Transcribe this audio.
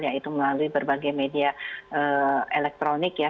yaitu melalui berbagai media elektronik ya